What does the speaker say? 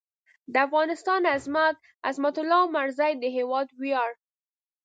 د افغانستان عظمت؛ عظمت الله عمرزی د هېواد وېاړ